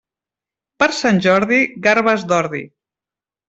Per Sant Jordi, garbes d'ordi.